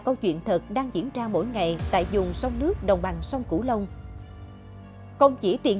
câu chuyện thật đang diễn ra mỗi ngày tại dùng sông nước đồng bằng sông cửu long không chỉ tiền